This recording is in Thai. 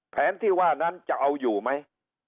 แผนที่ว่านั้นจะเอาอยู่ไหม